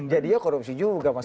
jadi ya korupsi juga mas